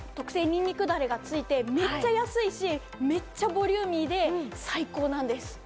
にんにくダレがついて、めっちゃ安いし、めっちゃボリューミーで最高なんです。